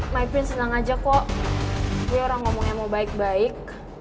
my pin senang aja kok dia orang ngomongnya mau baik baik